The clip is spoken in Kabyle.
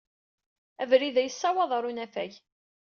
Abrid-a yessawaḍ ɣer unafag.